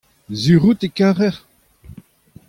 sur out e karec'h.